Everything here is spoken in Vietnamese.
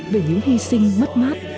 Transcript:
về những hy sinh mất mát